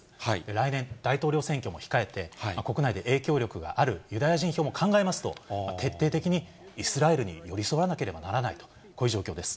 来年、大統領選挙も控えて、国内で影響力があるユダヤ人票も考えますと、徹底的にイスラエルに寄り添わなければならないと、こういう状況です。